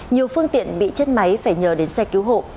nhiều phương tiện bị chết máy phải nhờ đến xe cứu hộ